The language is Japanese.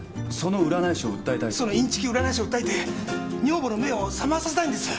そのインチキ占い師を訴えて女房の目を覚まさせたいんです。